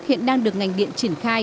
hiện đang được ngành điện triển khai